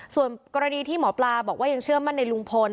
ส่วนกรณีที่หมอปลาบอกว่ายังเชื่อมั่นในลุงพล